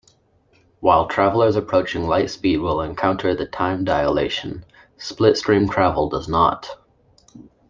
While travellers approaching light speed will encounter time dilation, slipstream travel does not.